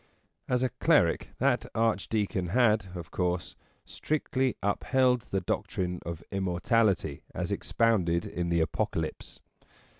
As a cleric that Archdeacon had, of course, strictly upheld the doctrine of Immortality as expounded in the Apocalypse.